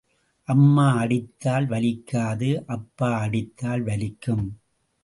அம்மா அடித்தால் வலிக்காது அப்பா அடித்தால் வலிக்கும்.